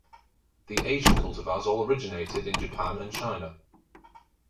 The Asian cultivars all originated in Japan and China.